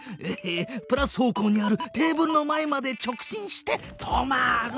プラス方向にあるテーブルの前まで直進して止まる！